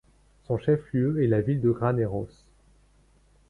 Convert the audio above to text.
Son chef-lieu est la ville de Graneros.